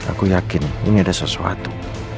aku yakin ini ada sesuatu